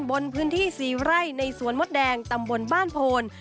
บนพื้นที่๔ไร่ในสวนมดแดงตำบลบ้านโพน